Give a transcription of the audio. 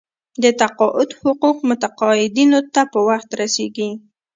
د تقاعد حقوق متقاعدینو ته په وخت رسیږي.